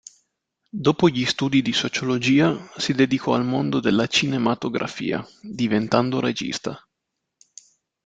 Dopo gli studi di sociologia, si dedicò al mondo della cinematografia, diventando regista.